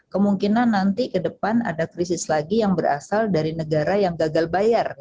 kemungkinan nanti ke depan ada krisis lagi yang berasal dari negara yang gagal bayar